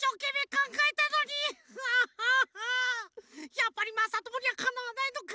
やっぱりまさともにはかなわないのか。